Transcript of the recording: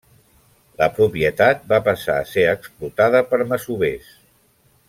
La propietat va passar a ser explotada per masovers.